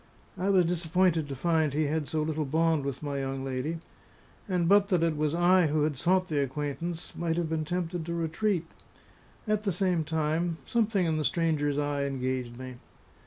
I was disappointed to find he had so little bond with my young lady; and but that it was I who had sought the acquaintance, might have been tempted to retreat. At the same time, something in the stranger's eye engaged me.